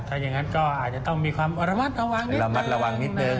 เพราะฉะนั้นก็อาจจะต้องมีความระมัดระวังนิดนึงนะระมัดระวังนิดนึง